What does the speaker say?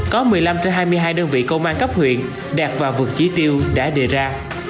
có một mươi năm trên hai mươi hai đơn vị công an cấp huyện đạt và vượt chỉ tiêu đã đề ra